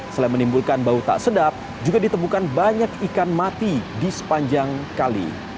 selain menimbulkan bau tak sedap juga ditemukan banyak ikan mati di sepanjang kali